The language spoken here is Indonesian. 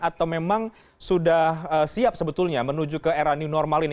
atau memang sudah siap sebetulnya menuju ke era new normal ini